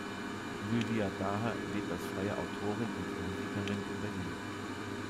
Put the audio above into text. Lydia Daher lebt als freie Autorin und Musikerin in Berlin.